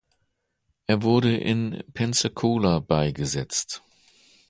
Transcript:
Er wurde in Pensacola beigesetzt.